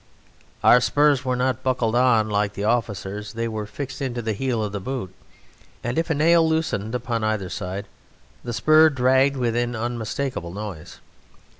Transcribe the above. Our spurs were not buckled on like the officers'; they were fixed into the heel of the boot, and if a nail loosened upon either side the spur dragged with an unmistakable noise.